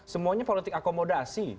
semuanya politik akomodasi